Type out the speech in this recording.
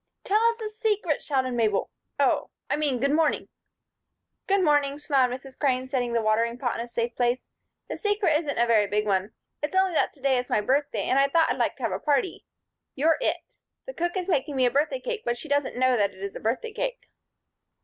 "Tell us the secret!" shouted Mabel. "Oh I mean good morning!" "Good morning," smiled Mrs. Crane, setting the watering pot in a safe place. "The secret isn't a very big one. It's only that to day is my birthday and I thought I'd like to have a party. You're it. The cook is making me a birthday cake, but she doesn't know that it is a birthday cake."